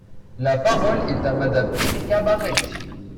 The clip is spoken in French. La parole est à Madame Ericka Bareigts.